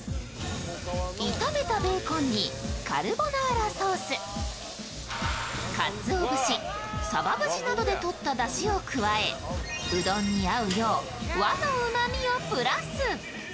炒めたベーコンにカルボナーラソース、かつお節、さば節などで取っただしを加え、うどんに合うよう和のうまみをプラス。